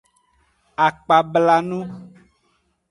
Akpablanu.